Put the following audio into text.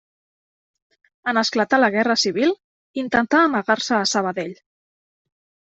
En esclatar la Guerra Civil, intentà amagar-se a Sabadell.